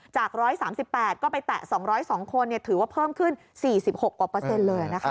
จาก๑๓๘ก็ไปแตะ๒๐๒คนถือว่าเพิ่มขึ้น๔๖กว่าเปอร์เซ็นต์เลยนะคะ